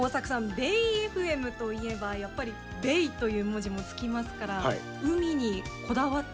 ベイエフエムといえば、やっぱり「ベイ」という文字もつきますから、海にこだわって？